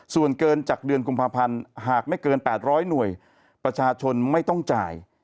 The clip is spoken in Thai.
ส่วนเกินจากเดือนกุมภาพันธ์หากไม่เกิน๘๐๐หน่วยประชาชนไม่ต้องจ่าย